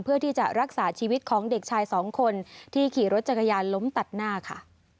เพื่อที่จะรักษาชีวิตของเด็กชายสองคนที่ขี่รถจักรยานล้มตัดหน้าค่ะ